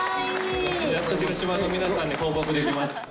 やっと広島の皆さんに報告できます。